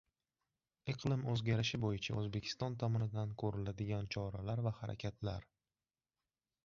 Iqlim o‘zgarishi bo‘yicha O‘zbekiston tomonidan ko‘riladigan choralar va harakatlar